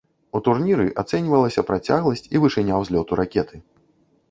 У турніры ацэньвалася працягласць і вышыня ўзлёту ракеты.